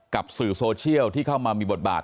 สื่อโซเชียลที่เข้ามามีบทบาท